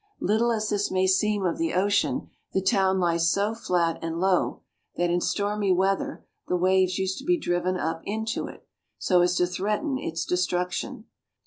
Little as this may seem of the ocean, the town lies so flat and low, that, in stormy weather, the waves used to be driven up into it, so as to threaten its destruction.